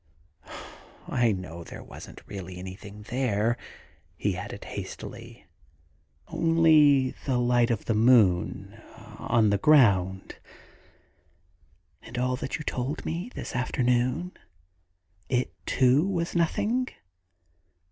... Oh, I know there wasn't really anything there,' he added hastily — *only the light of the moon on the groimd.' 'And all that you told me this afternoon — it, too, was nothing